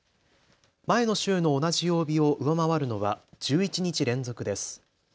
前の週の同じ曜日を上回るのは１１日連続です。